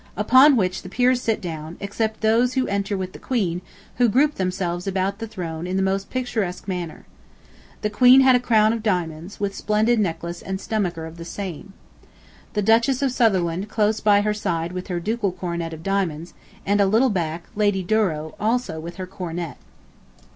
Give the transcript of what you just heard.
Upon which the peers sit down, except those who enter with the Queen, who group themselves about the throne in the most picturesque manner. The Queen had a crown of diamonds, with splendid necklace and stomacher of the same. The Duchess of Sutherland close by her side with her ducal coronet of diamonds, and a little back, Lady Douro, also, with her coronet.